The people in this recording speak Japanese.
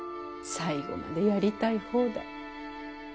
最後までやりたい放題。